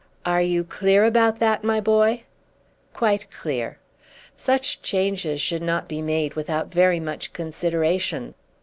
"Are you clear about that, my boy?" "Quite clear." "Such changes should not be made without very much consideration."